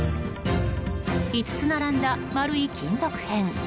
５つ並んだ丸い金属片。